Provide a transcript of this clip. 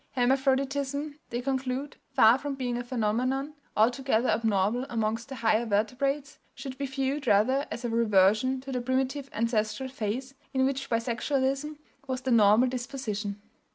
"Hermaphroditism," they conclude, "far from being a phenomenon altogether abnormal amongst the higher vertebrates, should be viewed rather as a reversion to the primitive ancestral phase in which bisexualism was the normal disposition....